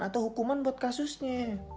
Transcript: atau hukuman buat kasusnya